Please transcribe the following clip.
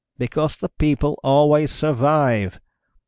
"Because the people always survive.